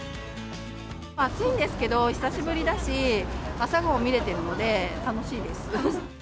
暑いんですけど、久しぶりだし、アサガオ見れてるので楽しいです。